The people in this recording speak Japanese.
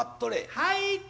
はい！